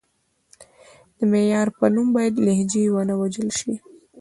د معیار په نوم باید لهجې ونه وژل شي.